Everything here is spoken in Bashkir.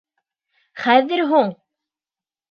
Хәҙер һуң!